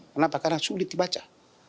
kenapa karena sulit dibaca